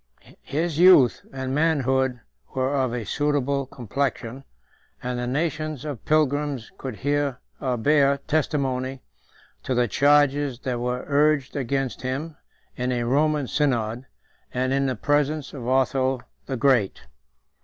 1321 His youth and manhood were of a suitable complexion; and the nations of pilgrims could bear testimony to the charges that were urged against him in a Roman synod, and in the presence of Otho the Great.